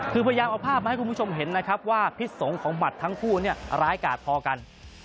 คือพยายามเอาภาพมาให้คุณผู้ชมเห็นนะครับว่าพิษสงฆ์ของบัตรทั้งคู่เนี่ยร้ายกาดพอกัน